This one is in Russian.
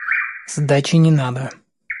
Сдачи не надо.